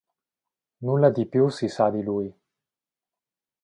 Nulla di più si sa di lui.